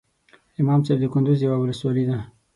امام صاحب دکندوز یوه ولسوالۍ ده